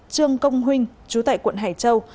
trương công huynh chú tệ quận hải châu